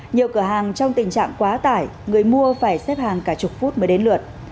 nhiều cửa hàng trong tình trạng quá tải người mua phải xếp hàng cả chục phút mới đến lượt